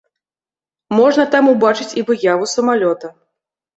Можна там убачыць і выяву самалёта.